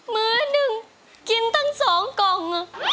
มื้อหนึ่งกินตั้ง๒กล่อง